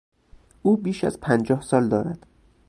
او بیش از پنجاه سال دارد.